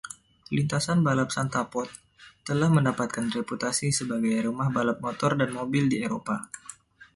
Lintasan balap Santa Pod telah mendapatkan reputasi sebagai rumah balap motor dan mobil di Eropa.